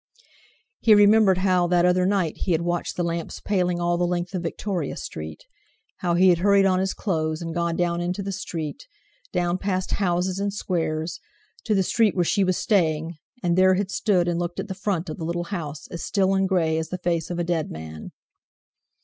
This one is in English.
He remembered how that other night he had watched the lamps paling all the length of Victoria Street; how he had hurried on his clothes and gone down into the street, down past houses and squares, to the street where she was staying, and there had stood and looked at the front of the little house, as still and grey as the face of a dead man.